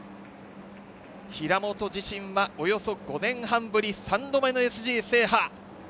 平本自身はおよそ５年半ぶり３度目のＳＧ制覇。